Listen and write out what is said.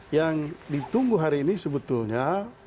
yang ditunggu hari ini sebetulnya